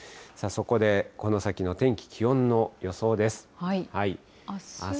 さあそこでこの先の天気、気温の予想です。